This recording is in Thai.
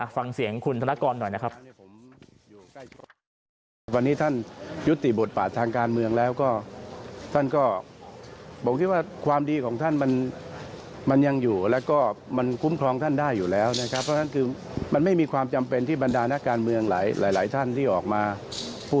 ฟังเสียงคุณธนกรหน่อยนะครับ